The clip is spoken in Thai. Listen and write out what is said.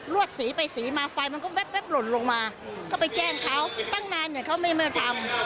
วดสีไปสีมาไฟมันก็แป๊บหล่นลงมาก็ไปแจ้งเขาตั้งนานเนี่ยเขาไม่มาทำ